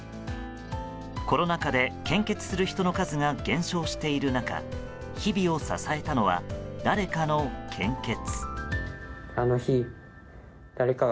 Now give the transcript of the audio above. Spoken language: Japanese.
コロナ禍で献血する人の数が減少している中日々を支えたのは誰かの献血。